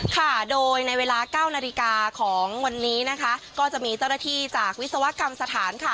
ค่ะโดยในเวลาเก้านาฬิกาของวันนี้นะคะก็จะมีเจ้าหน้าที่จากวิศวกรรมสถานค่ะ